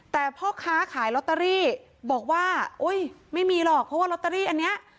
แต่พ่อค้าขายลอตเตอรี่บอกว่าโอ๊ยไม่มีหรอกเพราะว่าลอตเตอรี่อันนี้